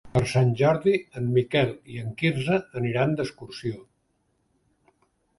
Per Sant Jordi en Miquel i en Quirze aniran d'excursió.